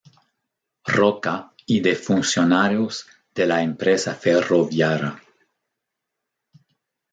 Roca, y de funcionarios de la empresa ferroviaria.